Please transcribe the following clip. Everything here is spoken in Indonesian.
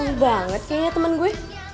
senang banget kayaknya temen gue